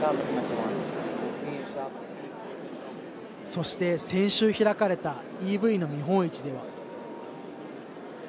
そして先週開かれたＥＶの見本市では。